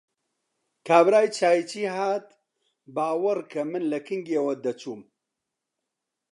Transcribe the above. کابرای چاییچی هات، باوەڕ کە من لە کنگیەوە دەچووم!